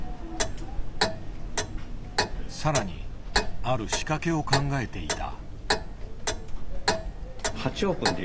更にある仕掛けを考えていた。